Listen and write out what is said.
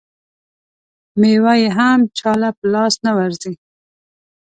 مېوه یې هم چا له په لاس نه ورځي.